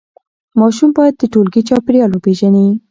ماشوم باید د ټولګي چاپېریال وپیژني.